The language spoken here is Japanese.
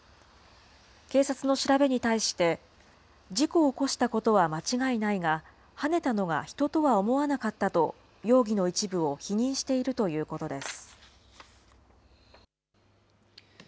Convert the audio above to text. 警察の調べに対して、事故を起こしたことは間違いないが、はねたのが人とは思わなかったと、容疑の一部を否認しているということです。